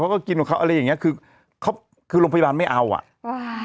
ก็กินของเขาอะไรอย่างเงี้ยคือเขาคือโรงพยาบาลไม่เอาอ่ะอ่า